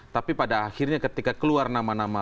tapi pada akhirnya ketika keluar nama nama